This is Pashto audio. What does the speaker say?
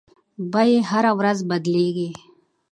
بیې هره ورځ بدلیږي.